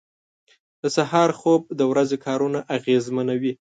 • د سهار خوب د ورځې کارونه اغېزمنوي.